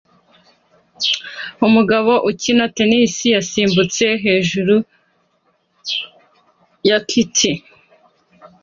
Umugabo ukina tennis yasimbutse hejuru ya kite